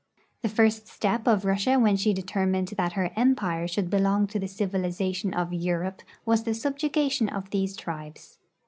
'' The first step of Russia when she determined that her em])ire should l)elong to the civilization of Europe was the subjugation of these tribes.